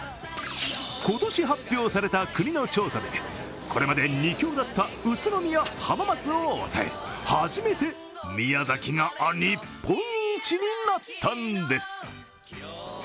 今年発表された国の調査で、これまで２強だった宇都宮、浜松を抑え、初めて宮崎が日本一になったんです。